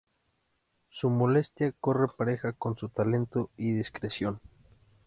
Su modestia corre pareja con su talento y discreción.